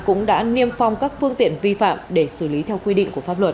cũng đã niêm phong các phương tiện vi phạm để xử lý theo quy định của pháp luật